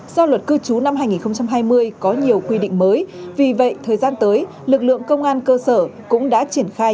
do luật cư trú năm hai nghìn hai mươi có nhiều quy định mới vì vậy thời gian tới lực lượng công an cơ sở cũng đã triển khai